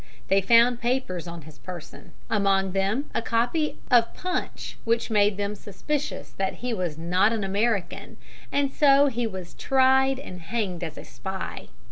They found papers on his person, among them a copy of Punch, which made them suspicious that he was not an American, and so he was tried and hanged as a spy.